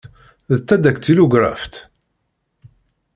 D tadaktilugraft.